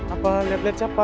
apa liat liat siapa